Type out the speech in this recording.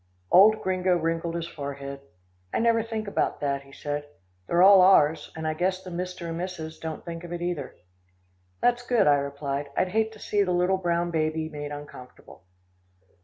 Old Gringo wrinkled his forehead. "I never think about that," he said. "They're all ours, and I guess the mister and missis don't think of it either." "That's good," I replied. "I'd hate to see the little brown baby made uncomfortable."